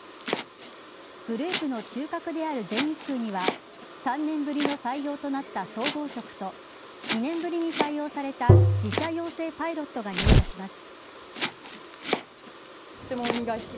グループの中核である全日空には３年ぶりの採用となった総合職と２年ぶりに採用された自社養成パイロットが入社します。